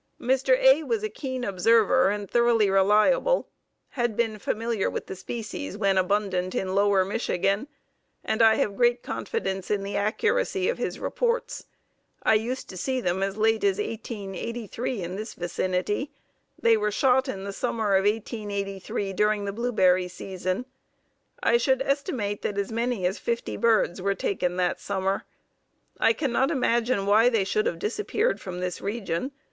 Mr. A. was a keen observer and thoroughly reliable; had been familiar with the species when abundant in lower Michigan, and I have great confidence in the accuracy of his reports. I used to see them as late as 1883 in this vicinity. They were shot in the summer of 1883 during the blueberry season. I should estimate that as many as fifty birds were taken that summer. I cannot imagine why they should have disappeared from this region.